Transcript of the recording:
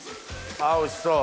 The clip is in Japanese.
あおいしそう。